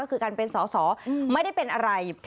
ก็คือการเป็นสอสอไม่ได้เป็นอะไร